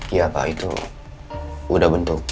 iya pak itu udah bentuk